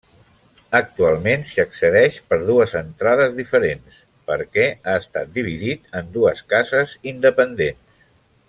Actualment s'hi accedeix per dues entrades diferents, perquè ha estat dividit en dues cases independents.